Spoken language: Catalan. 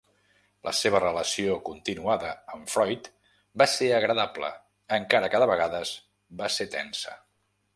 La seva relació continuada amb Freud va ser agradable, encara que de vegades va ser tensa.